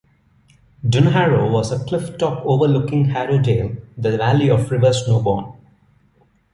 Dunharrow was a cliff-top overlooking Harrowdale, the valley of the river Snowbourn.